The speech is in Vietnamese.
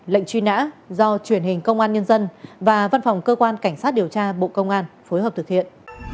lệnh truy nã do truyền hình công an nhân dân và văn phòng cơ quan cảnh sát điều tra bộ công an phối hợp thực hiện